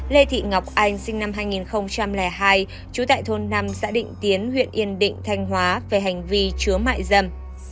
lê thị ngọc anh sinh năm hai nghìn hai trú tại thôn năm xã định tiến huyện yên định thanh hóa về hành vi chứa mại dâm